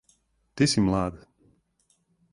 Ти си млад.